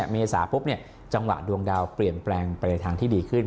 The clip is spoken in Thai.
เมษาปุ๊บจังหวะดวงดาวเปลี่ยนแปลงไปในทางที่ดีขึ้น